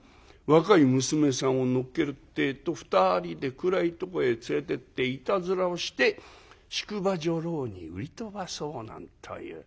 若い娘さんを乗っけるってえと２人で暗いとこへ連れてっていたずらをして宿場女郎に売り飛ばそうなんという。